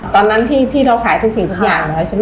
ตอนนั้นที่เราขายทุกสิ่งทุกอย่างแล้ว